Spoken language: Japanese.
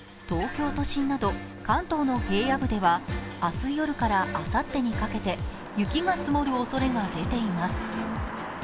東京都心など関東の平野部では明日夜からあさってかけて雪が積もるおそれが出ています。